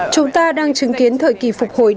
chúng ta đang chứng kiến thời kỳ phục hồi